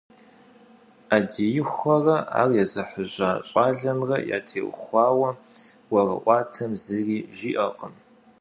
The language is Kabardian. Ӏэдиихурэ ар езыхьэжьа щӏалэмрэ ятеухуауэ ӏуэрыӏуатэм зыри жиӏэркъым.